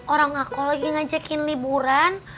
orang aku lagi ngajakin liburan